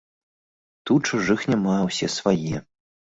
Тут чужых няма, усе свае!